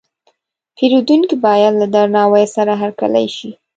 پیرودونکی باید له درناوي سره هرکلی شي.